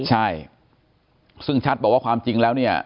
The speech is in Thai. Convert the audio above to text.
ใช่ซึ่งชัดบอกว่าความจริงแล้วเนี่ย